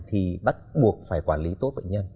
thì bắt buộc phải quản lý tốt bệnh nhân